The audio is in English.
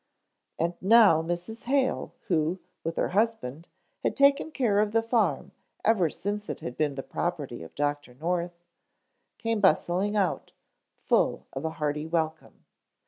And now Mrs. Hale who, with her husband, had taken care of the farm ever since it had been the property of Dr. North, came bustling out, full of a hearty welcome.